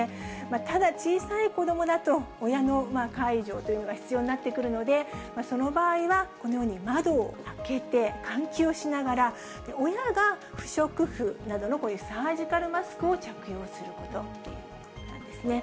ただ、小さい子どもだと、親の介助というのが必要になってくるので、その場合は、このように窓を開けて、換気をしながら、親が不織布などのこういうサージカルマスクを着用することということなんですね。